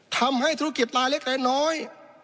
ทำให้ธุรกิจปลาเล็กน้อย